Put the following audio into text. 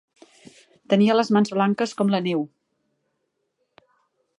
Tenia les mans blanques com la neu.